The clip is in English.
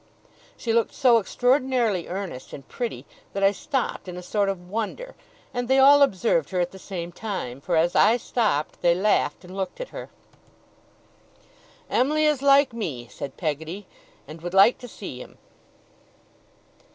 She looked so extraordinarily earnest and pretty, that I stopped in a sort of wonder; and they all observed her at the same time, for as I stopped, they laughed and looked at her. 'Em'ly is like me,' said Peggotty, 'and would like to see him.